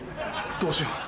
どうしよう。